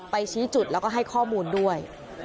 ชี้จุดแล้วก็ให้ข้อมูลด้วย